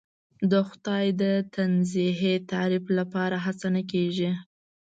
د خدای د تنزیهی تعریف لپاره هڅه نه کېږي.